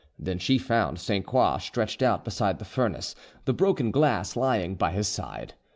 Then she found Sainte Croix stretched out beside the furnace, the broken glass lying by his side.